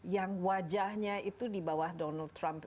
yang wajahnya itu di bawah donald trump